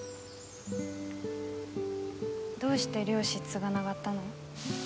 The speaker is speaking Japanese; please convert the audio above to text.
どうして漁師継がながったの？